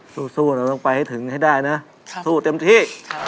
สู้เราต้องไปให้ถึงให้ได้นะสู้เต็มที่